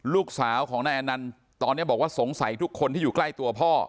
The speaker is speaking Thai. ลูกสาวของนายอนันต์ตอนนี้บอกว่าสงสัยทุกคนที่อยู่ใกล้ตัวพ่อ